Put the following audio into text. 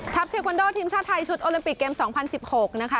เทควันโดทีมชาติไทยชุดโอลิมปิกเกม๒๐๑๖นะคะ